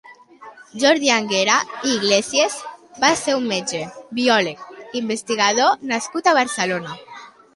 Jordi Anguera i Iglésies va ser un metge, biòleg i investigador nascut a Barcelona.